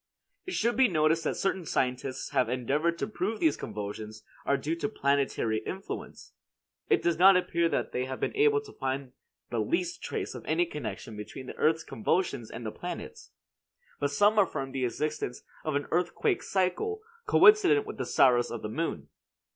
It should be noticed that certain scientists have endeavored to prove these convulsions are due to planetary influence. It does not appear that they have been able to find the least trace of any connection between the earth's convulsions and the planets; but some affirm the existence of an earthquake cycle coincident with the Saros of the moon.